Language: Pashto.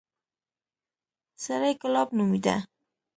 سړى ګلاب نومېده.